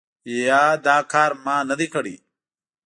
یا دا کار ما نه دی کړی ؟